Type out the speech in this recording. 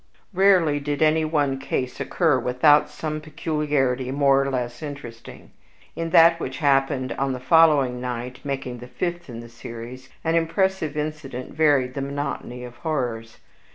Rarely did any case occur without some peculiarity more or less interesting. In that which happened on the following night, making the fifth in the series, an impressive incident varied the monotony of horrors.